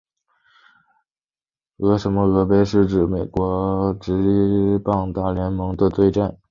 俄亥俄杯指的是美国职棒大联盟里主场位于辛辛那提和克里夫兰球队间的对战。